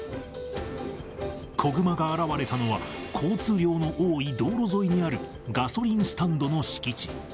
子グマが現れたのは、交通量の多い道路沿いにあるガソリンスタンドの敷地。